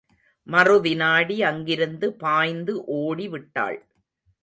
மறுவிநாடி அங்கிருந்து பாய்ந்து ஓடிவிட்டாள்.